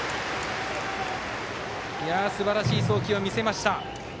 すばらしい送球を見せました。